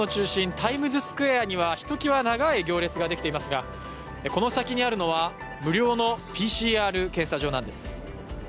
タイムズスクエアにはひときわ長い行列ができていますが、この先にあるのは無料のＰＣＲ検査場なんです。